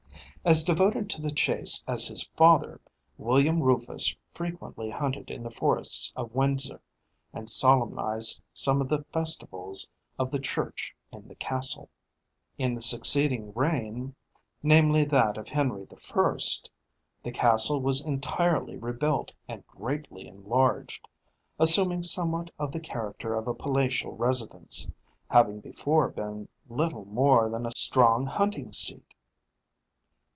As devoted to the chase as his father, William Rufus frequently hunted in the forests of Windsor, and solemnised some of the festivals of the Church in the castle. In the succeeding reign namely, that of Henry the First the castle was entirely rebuilt and greatly enlarged assuming somewhat of the character of a palatial residence, having before been little more than a strong hunting seat.